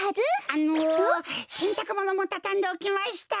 あのせんたくものもたたんでおきました。